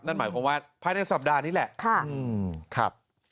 นั่นหมายความว่าภายในสัปดาห์นี้แหละ